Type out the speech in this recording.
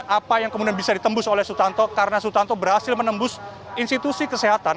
apa yang kemudian bisa ditembus oleh sutanto karena susanto berhasil menembus institusi kesehatan